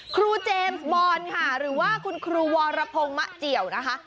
เจมส์บอลค่ะหรือว่าคุณครูวรพงศ์มะเจียวนะคะ